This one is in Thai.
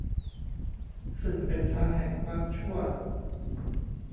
ซึ่งเป็นทางแห่งความชั่ว